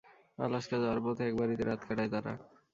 Alaska যাওয়ার পথে এক বাড়িতে রাত কাটায় তারা।